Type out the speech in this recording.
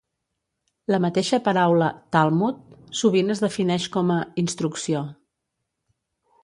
La mateixa paraula "Talmud" sovint es defineix com a "instrucció".